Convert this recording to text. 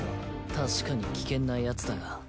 確かに危険なヤツだが。